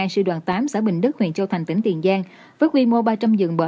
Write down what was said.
sư đoàn tám xã bình đức huyện châu thành tỉnh tiền giang